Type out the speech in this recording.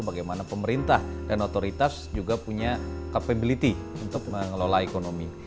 bagaimana pemerintah dan otoritas juga punya capability untuk mengelola ekonomi